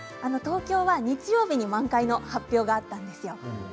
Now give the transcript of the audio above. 東京は日曜日に満開の発表があったんですよ。